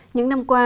những năm qua